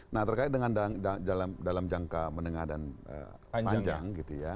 nah terkait dengan dalam jangka menengah dan panjang